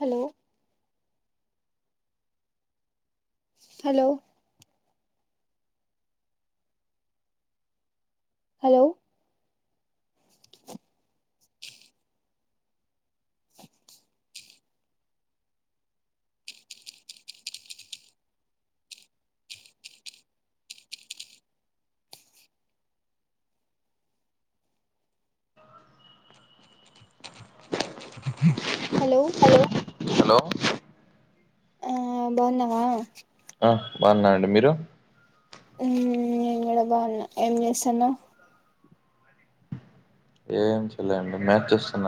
hello hello hello hello hello hello ఆ బావున్నావా అ బావున్నాను అండి మీరు మ్ నేనుకూడా బోన్న ఎమ్ చేస్త్న్నావ్ ఏం చెలేండి మ్యాచ్ చూస్తున్న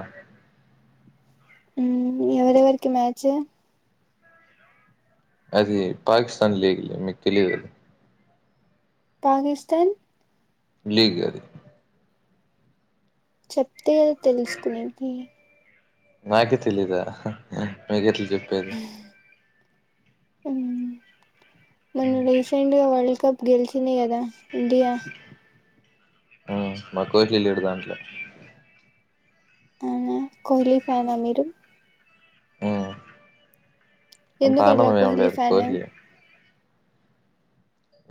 మ్ ఎవరెవరకి మ్యాచ్ అది పాకిస్తాన్ లీగ్ నీక్ తెలీయదు పాగిస్తన్ లీగ్ అది చెప్తే తెలుస్తుంది నాకి తెలీదా మీకెట్ల చెప్పేది మ్మ్ మొన్న రీసెంట్ గా వరల్డ్ కప్ గెలిచింది గ ద ఇండియా ఆ నాక్కూడా తెలియడు దాంట్లొ అవ్నా కోహ్లీ ఫ్యానా మీరు ఊ ఎందుకట్లా అంతానందమేమ్ లేదు ఫ్యాన్ కోహ్లీ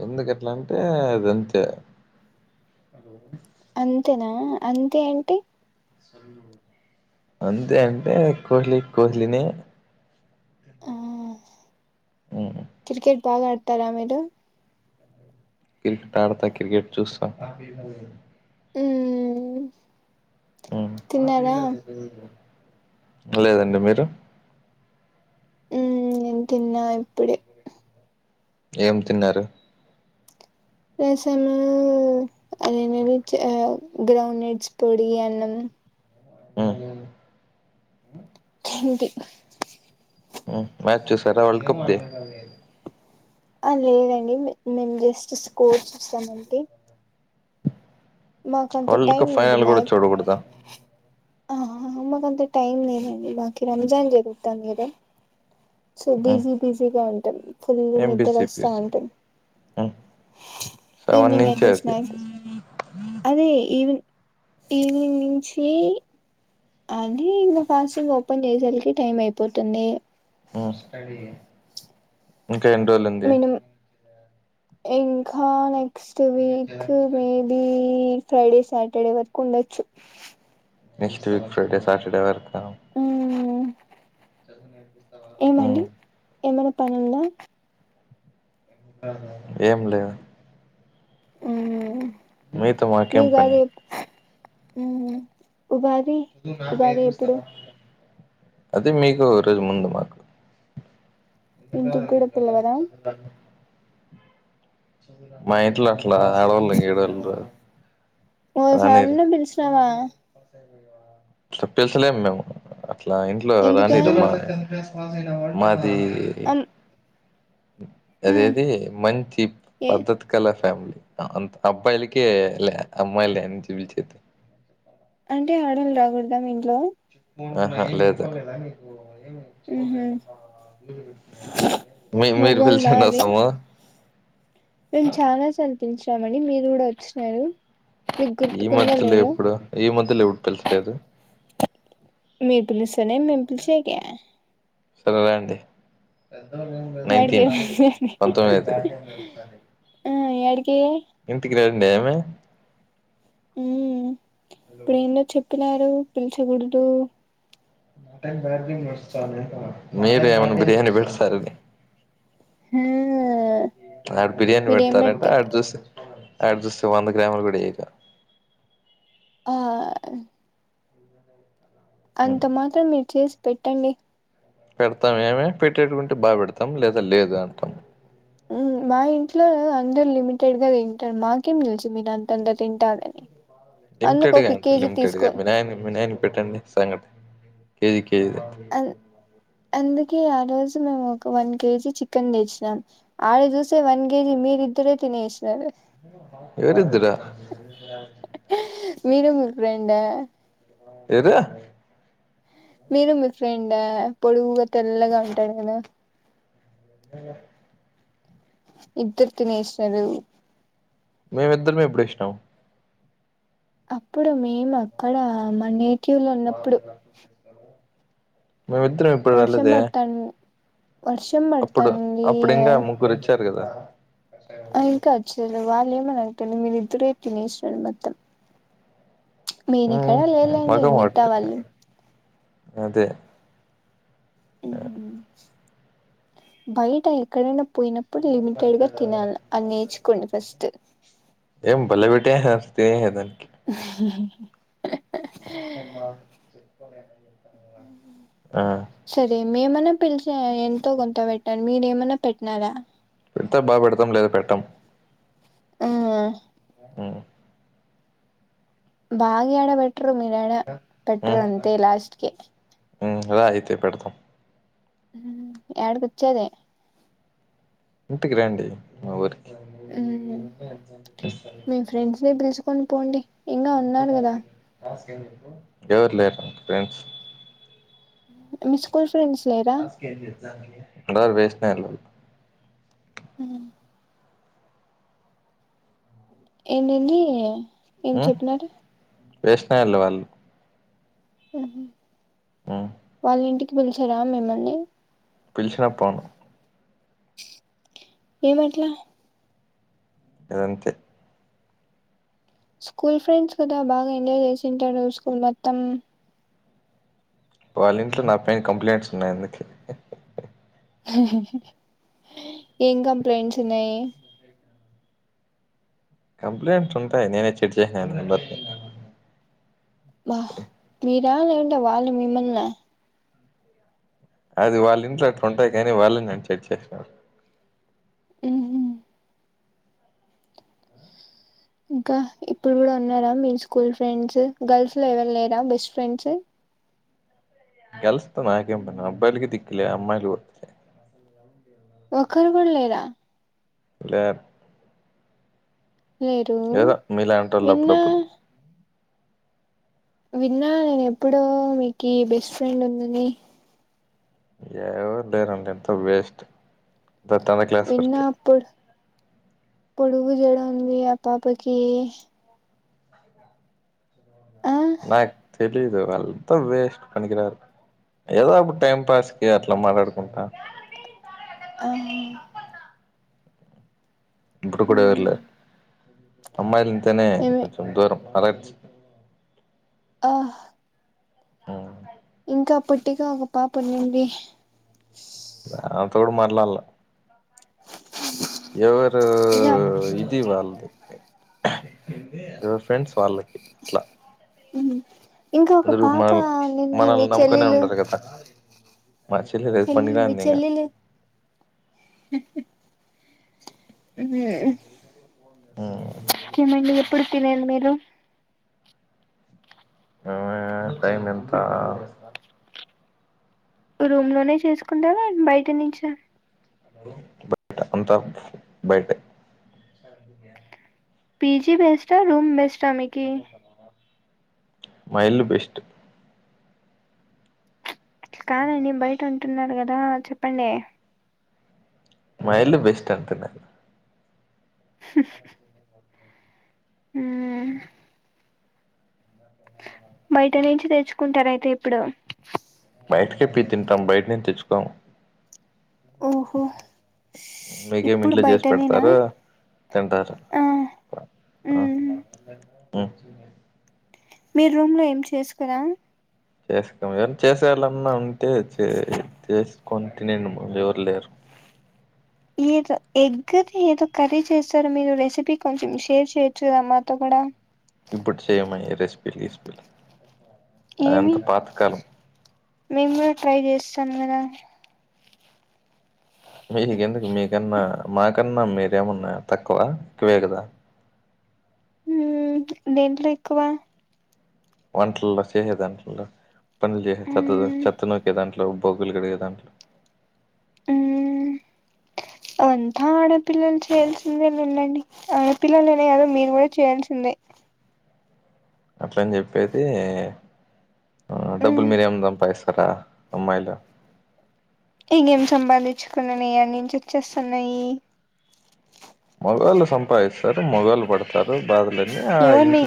ఎందుకట్లంటే ఇదింతే అంతెనా అంతేంటి అంతే అంటే కోహ్లి కోహ్లినే ఆ ఉమ్ క్రికెట్ బాగా ఆడతారా మీరు క్రికెట్ ఆడతా క్రికెట్ చూస్తా ఊ ఉహ్మ్ లేదండి మీరు ఊ తిన్నా ఇప్పుడే ఏం తిన్నారు రసమూ అదేంది అది చ్ ఆ గ్రౌండ్ నట్స్ పొడి అన్నము ఉ హింతే ఉ మ్యాచ్ చూశారా వర్ల్డ్ కప్ ది ఆ లేదండి నే నేను జస్ట్ స్కోర్ చూసానంతే నాకంత వరల్డ్ టైమ్ కప్ లేదు ఫైనల్ మ్యా కూడా చూడకూడదా ఆ నాకంత టైమ్ లేదండి మాకి రంజాన్ జరుగుతుంది గా సో బిజీ బిజీగా ఉంటది ఫుల్ ఏం బిజీ నిద్రొస్తా బిజీ ఉంటది సెవెన్ ఈవెనింగ్ నుంచి అయితే అది స్నాక్ అదీ ఈ ఈవినింగ్ నుంచీ అనీ ఇంక ఫాస్టింగ్ ఓపెన్ చేసేలకి టైం అయిపోతుంది [unintelligible] ఇంకా ఎన్ని రోజులుంది మినిమం ఇంకా next week maybe Friday Saturday వరకు ఉండొచ్చు నెక్స్ట్ వీక్ ఫ్రైడే సాటర్డే వరకు ఊ [unintelligible] ఏమండి ఏమైనా పనుందా ఏం లేదు మ్మ్ మీతొ మాకెంపని ఉహ్మ్ ఉగాది ఉగాది ఎప్పుడు అది మీకు రోజు ముందుమాకు ఇంటికి ఇట్లగాదు కూడా ఇట్లగాదు పిలవరా సత్తండు మా ఇంట్లో అట్ల ఆడోళ్లుగీడుండ్రు ఒకసార్న పిలిచినవా పిలచలేం మేము అట్లా ఇంట్లో ఎందుకు రానీరు [unintelligible] మా అన్ అదేది, మంచి ఏ పద్ధతి కల ఫ్యామిలి అ అంత అబ్బాయిలకే లే అమ్మాయి లేని జీవించెట్టు అంటే ఆడోళ్లు రాకూడదా మీ ఇంట్లో ఆహా లేదు మ్మ్ హ్మ్ మీ మీరు మగోళ్ళదా పిల్చండి అది వస్తామ మేము చాలాసార్లు పిలిచామండి మీరు కూడా వచ్చినారు మీకు ఈ గుర్తుకుందో మధ్యలో లేదో ఎప్పుడు ఈ మధ్యలో ఎప్పుడు పిలిసినరు మీరు పిలుస్తేనే మేం పిలిచేది సరే రండి వాడికి నైన్టీన్ ఎం అయింది పంతొమ్మిది ఆ యాడికి డెమే ఉ ఇప్పుడు ఏందో చెప్పినారు పిలిచకూడదు మీరేమన్న బిర్యానీ పెడితే చాల్లే హ ఆడు బిర్యానీ పెడతాడంట ఆ చూస్తుండు అటు చూస్తూ వంద గ్రాములు కూడా ఇయ్యడాడు ఆ అంత మాత్రం మీరు చేసి పెట్టండి పెడతాం ఏమే పెట్టేటివి ఉంటే బాగా పెడతాం ం లేదా లేదు అంటాం మ్మ్ మా ఇంట్లో అందరు లిమిటెడ్గా తింటారు నాకేం తెలుసు మీరు అంత అంత తింటారు అని లిమిటెడ్ గా అంట లిమిటెడ్గా మీ నయా నయానికి పెట్టండి సంగట కేజీ కేజీది అ ఎందు కే ఆ రోజు మేము ఒక వన్ కేజీ చికెన్ తెచినాం ఆడ చూసే వన్ కేజీ మీరిద్దరే తి తినేసినారు ఎవరిదరు మీరు మీ ఫ్రెండ్ ఎవరు మీరు మీ ఫ్రెండ్ పొడువుగా తెల్లగా ఉంటాడు కదా అ ఇద్దరు తినేసినారు మేమిద్దరం ఎప్పుడ ఒచ్చినం అప్పుడు మేము అక్కడ మా నేటివ్ లో ఉన్నప్పుడు మేమిద్దరం ఎప్పుడు వర్షం రాలేదే పడతాను వర్షం అప్పుడు పడతానండి అప్పుడింగ ముగ్గురు వచ్చారు కదా హ ఇంకొచ్చిరు వాళ్ళు ఏమని తినలే మీరు ఇద్దరే తినేసినారు మొత్తం నేను ఇక్కడ లేలేండి మిగతా వాళ్ళు అంతే బయట ఎక్కడనా పోయినప్పుడు లిమిటెడ్ గా తినాలా అని నేర్చుకోండి ఫస్ట్ ఏం బలే పెట్టేసి వస్తే దాని ఆ సరే మేమన్నా పిలిచా ఎంతో కొంత పెట్టాలి మీరేమన్నా పెట్టినారా పెడతా బాగా పెడతాం లేదా పెట్టాం ఆ మ్మ్ బాగా ఏడపెట్టారు మీరు యాడ పెటరు అంతే లాస్ట్ కి రా అయితే పెడతాం ఏడికి వచ్చేది ఇంటికి రండి మఊరి మీ ఫ్రెండ్స్ ని పిలుచుకొని పోండి ఇంగా ఉన్నారు కదా ఎవరు లేరు ఫ్రెండ్స్ మీ స్కూల్ ఫ్రెండ్స్ లేరా ఉండారు వేస్ట్ నాయిలు వాళ్ళు ఉమ్ ఏమేమి ఏం చెప్పినారు వేస్ట్ నాయిళ్ళు వాళ్ళు ఉహూ ఉమ్ వాళ్ళ ఇంటికి పిలిచరా మిమ్మల్ని పిలిచినా పోను ఏమట్లా అదంతే స్కూల్ ఫ్రెండ్స్ కదా బాగా ఎంజాయ్ చేసింటారు స్కూల్ మొత్తం వాళ్ళ ఇంట్లో నా పైన కంప్లైంట్స్ ఉన్నాయి అందుక ఉహూహూ ఏం కంప్లైంట్స్ ఉన్నాయి కంప్లైంట్స్ ఉంటాయి నేనే చెడ్ చేసాఅని వాహ్ మీరా లేదంటే వాళ్ళు మిమ్మల్న అది వాళ్ళ ఇంట్లో అట్లు ఉంటాయి కానీ వాళ్ళే నన్ని చెడు చేశారు ఉహూ ఇంకా ఇప్పుడు కూడా ఉన్నారా మీ స్కూల్ ఫ్రెండ్స్ గర్ల్స్ లో ఎవరు లేరా బెస్ట్ ఫ్రెండ్స్ గర్ల్స్ తో నాకేం పని అబ్బాయిలకి దిక్లే అమ్మాయిలు తులే ఒకరు కూడా లేరా లే లేరు లేదా మీలాంటోళ్ళు విన్నా అప్పుడప్పుడు విన్నా నేను ఎప్పుడో మీకు బెస్ట్ ఫ్రెండ్ ఉందని ఎవ్వరు లేేరు అండి అంత వేస్ట్ ద తంద క్లాస్ విన్నా వరకే పొడు పొడుగు జడ ఉంది ఆ పాపకి ఆ నా తెలీదు వాళ్ళంతా వేస్ట్ పనికిరారు ఏదో అప్పుడు టైం పాస్కి అట్లా మాట్లాడుకుంటా ఆ ఇప్పుడుకూడ ఎవర్లే అమ్మాయిలు అంటేనే ఏమి కొంచెం దూరం అలెర్ట్ ఆ ఉమ్ ఇంకా పొట్టిగా ఒక పాప ఉన్నింది దానితో కూడా మాట్లాడాలా ఎవరు ఇలా ఇది వాళ్ళది ఎవరి ఫ్రెండ్స్ వాళ్ళకి అట్లా ఉమ్ ఇంకా ఒక అందరు పాప మన ఉన్నింది మీ మనల్ని నమ్ముకునే చెల్లెలు ఉండరు కదా మా చెల్లిలు అది చెల్లెలు మీ పండుకోయింది ఇంకా చెల్లెలు ఉమ్ ఉమ్ [unintelligible] ఇంకా ఎప్పుడు తినేది మీరు మేమా టైమ్ ఎంత రూమ్ లోనే చేసుకుంటావా బయట నుంచ అంతా బయటే పిజీ బెస్ట్ ఆ రూమ్ బెస్ట్ మా ఇల్లు బెస్ట్ కాదండి బయట ఉంటున్నారు కదా చెప్పండి మా ఇల్లు బెస్ట్ అంటున్నాను ఆ బయట నుంచి తెచ్చుకుంటారయితే ఇప్పుడు బయటకే పి తింటాం బయట న తెచ్చుకోం ఓహో మీకేమి ఇప్పుడు ఇంట్లో చేసి బయటనేనా పెడతారు తంటారు ఆ మ్మ్ మీ రూమ్ లో ఏం చేసుకురా చేసుకోం ఏవన్నా చేసేళ్ాలన్నా ఉంటే చే కొంటి నేను జూరలేరు ఏదో ఎగ్ది ఏదో కర్రీ చేస్తారు మీరు రెసిపీ కొంచెం షేర్ చేయొచ్చు కదా మాతో కూడా అ ఇప్పుడు చేయమ రెసిపీలు గసిపీలు అదంత ఏమి పాతకాలం మేము ట్రై చేస్తాం కదా మీకెందుకు మీకన్నా మాకన్నా మీరేమన్నా తక్కువ ఎక్కువే కదా దేంట్లో ఎక్కువ వంటలలో చేసే దాట్లో పనులు చేస మ్మ్ చెత్త నోకేదాంట్లో ఇట్లో భోగులు కడిగే దాంట్లో అంతా ఆడపిల్లలు చేయాల్సిందేని ఉండండి ఆడపిల్లలునే కాదు మీరు కూడా చేయాల్సిందే అట్లని చెప్పేసి డబ్బులు మ్ మీరేము సంపాదించు అ అమ్మాయిలో ఇంకేం సంపాదించుకున్నా నయి అన్నించి వచ్చేస్తున్నాయి మగవాళ్ళ సంపాదిస్తారు మగళ్ళ పడతారు బాధలు ఎవన్ మీ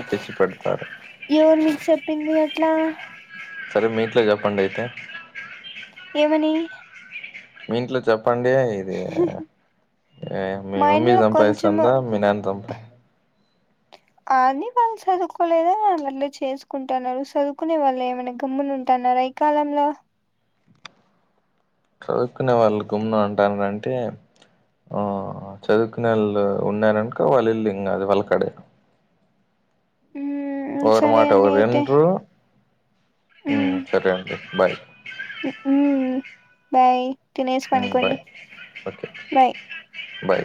ఎవన్ మీకు చెప్పింది అట్లా సరే మీ ఇంట్లో చెప్పండి అయితే ఏమని మీ ఇంట్లో చెప్పండి ఇది ఏ మీ మా మమ్మీ ఇంట్లో కొంచెము సంపాదిస్తుందా మీ నాన్న సంపాదిస్తుందా అని వాళ్ళు చదువుకోలేదాని వళ్ళ చేసుకుంటున్నారు చదువుకునే వాళ్ళు ఏమైనా గమ్ములు ఉంటాను న్న రైకాలంలో చదువుకునే వాళ్ళు గుమ్ము ఉంటారంటే ఆ చదువుకునేళ్ళు ఉన్నారనుక వాళ్ళు ఇళ్ళు ఇంకా అది వాళ్ళకి అడేారు మ్ ఒకరి సరే మాట అండి ఒకరు అయితే వినరు హ్మ్మ్ మ్ సరే అండి బై్ బాయ్ తినేష్ ఉమ్, పనికోండి బాయ్ ఓకే బయ్ బాయ్